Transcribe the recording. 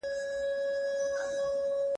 راپاڅېږه،